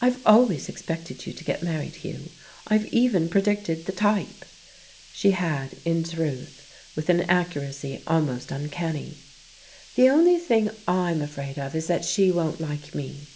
"I've always expected you to get married, Hugh. I've even predicted the type." She had, in truth, with an accuracy almost uncanny. "The only thing I'm afraid of is that she won't like me.